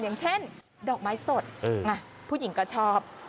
อย่างเช่นดอกไม้สดผู้หญิงก็ชอบ